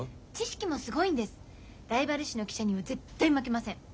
ライバル誌の記者には絶対負けません。